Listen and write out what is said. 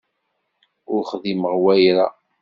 Ur xdimeɣ wayra.